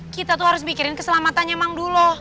kita tuh harus mikirin keselamatannya mangdulo